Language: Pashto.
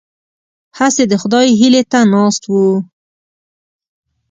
هسې د خدای هیلې ته ناست وو.